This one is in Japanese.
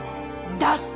出す。